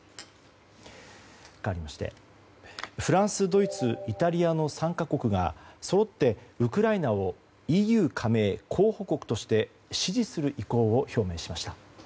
かわりまして、フランスドイツ、イタリアの３か国がそろって、ウクライナをＥＵ加盟候補国として支持する意向を表明しました。